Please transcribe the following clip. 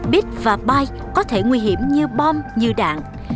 bit và byte có thể nguy hiểm như bom như đạn